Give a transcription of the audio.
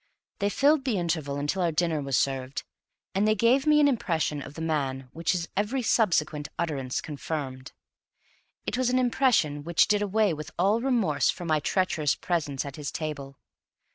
They filled the interval until dinner was served, and they gave me an impression of the man which his every subsequent utterance confirmed. It was an impression which did away with all remorse for my treacherous presence at his table.